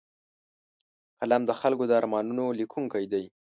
قلم د خلکو د ارمانونو لیکونکی دی